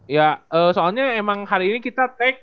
ya soalnya emang hari ini kita take